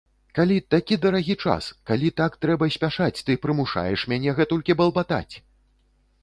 Калі такі дарагі час, калі так трэба спяшаць, ты прымушаеш мяне гэтулькі балбатаць!